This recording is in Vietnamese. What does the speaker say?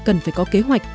cần phải có kế hoạch